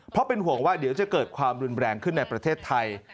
เพราะเป็นห่วงว่าเดี๋ยวจะเกิดความรุนแรงขึ้นในประเทศไทย